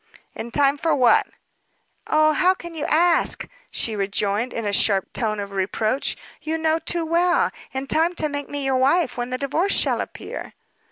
"In time for what?" "Oh, how can you ask?" she rejoined, in a sharp tone of reproach; "you know too well. In time to make me your wife when the divorce shall appear."